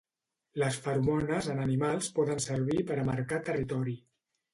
Les feromones en animals poden servir per a marcar territori.